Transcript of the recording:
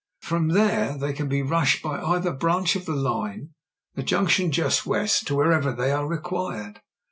From there they can be rushed by either branch of the line — the junction is just west — ^to wherever they are re quired."